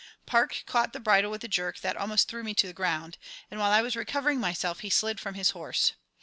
Park caught the bridle with a jerk that almost threw me to the ground, and while I was recovering myself he slid from his horse.